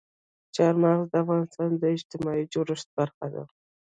چار مغز د افغانستان د اجتماعي جوړښت برخه ده.